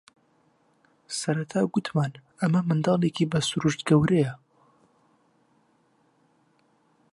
سەرەتا گوتمان ئەمە منداڵێکی بە سرووشت گەورەیە